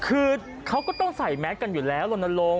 คือเขาก็ต้องใส่แมสกันอยู่แล้วลนลง